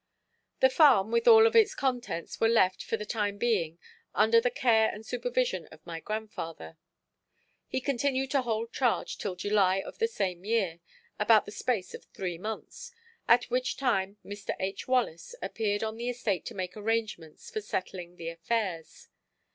The farm with all of its contents were left, for the time being, under the care and supervision of my grandfather. He continued to hold charge till July of the same year, about the space of three months, at which time Mr. H. Wallace appeared on the estate to make arrangements for settling the affairs.